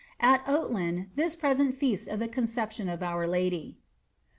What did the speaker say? ^ At Oatland this present feast of the Conception of our Lady."